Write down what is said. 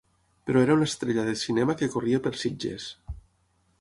Però era una estrella de cinema que corria per Sitges.